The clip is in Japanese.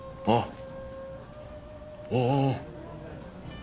あっ。